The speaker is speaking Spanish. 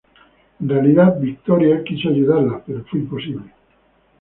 En realidad, Victoria quiso ayudarla pero fue imposible.